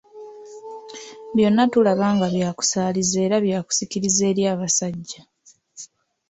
Byonna tulaba nga byakusaaliza era byakusikiriza eri abasajja.